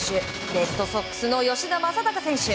レッドソックスの吉田正尚選手。